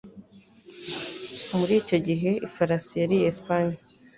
Muri icyo gihe, ifasi yari iya Espanye.